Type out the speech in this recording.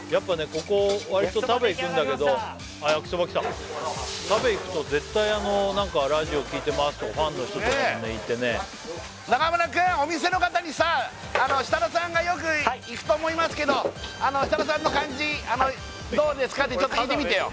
ここわりと食べ行くんだけどあっヤキソバ来た食べ行くと絶対ラジオ聴いてますとかファンの人とかもいてね中村君お店の方にさ設楽さんがよく行くと思いますけど設楽さんの感じどうですかってちょっと聞いてみてよ